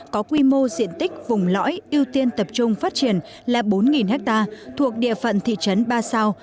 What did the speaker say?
có quy mô diện tích vùng lõi ưu tiên tập trung phát triển là bốn ha thuộc địa phận thị trấn ba sao